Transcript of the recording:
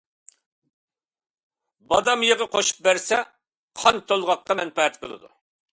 بادام يېغى قوشۇپ بەرسە قان تولغاققا مەنپەئەت قىلىدۇ.